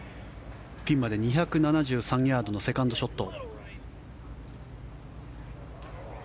ピンまで２７３ヤードのセカンドショット。